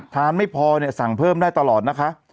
ทานไม่พอสั่งเพิ่มได้ตลอดนะคะ